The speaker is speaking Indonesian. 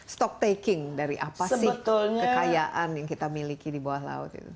stock taking dari apa sih kekayaan yang kita miliki di bawah laut itu